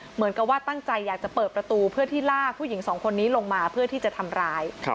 เหมือนกับว่าตั้งใจอยากจะเปิดประตูเพื่อที่ลากผู้หญิงสองคนนี้ลงมาเพื่อที่จะทำร้าย